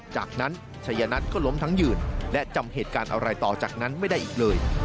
จากนั้นชัยนัทก็ล้มทั้งยืนและจำเหตุการณ์อะไรต่อจากนั้นไม่ได้อีกเลย